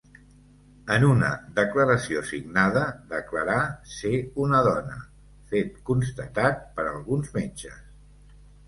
En una declaració signada declarà ser una dona, fet constatat per alguns metges.